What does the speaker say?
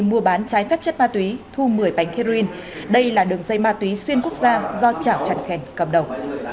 mua bán trái phép chất ma túy thu một mươi bánh heroin đây là đường dây ma túy xuyên quốc gia do trảo chặn khen cầm đầu